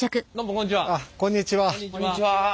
こんにちは。